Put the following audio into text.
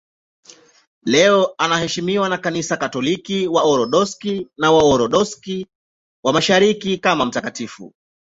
Leo anaheshimiwa na Kanisa Katoliki, Waorthodoksi na Waorthodoksi wa Mashariki kama mtakatifu.